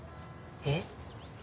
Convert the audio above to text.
えっ？